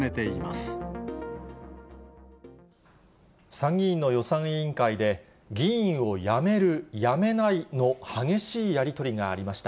参議院の予算委員会で、議員を辞める、辞めないの激しいやり取りがありました。